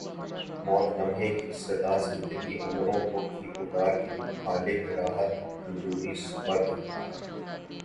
موت لمحے کی صدا زندگی عمروں کی پکار کے خالق راحت اندوری سپرد خاک